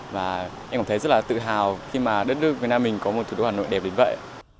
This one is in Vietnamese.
và em cảm thấy rất là tự hào khi mà đất nước việt nam mình có một thủ đô hà nội đẹp đến vậy